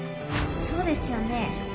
そうですよね？